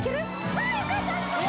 ああよかった